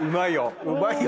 うまいよ。